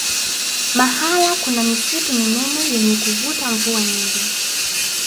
mahala kuna misitu minene yenye kuvuta mvua nyingi